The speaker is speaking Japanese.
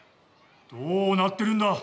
どうなってるんだ？